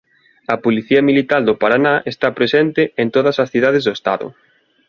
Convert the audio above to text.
A Policía Militar do Paraná está presente en todas as cidades do Estado.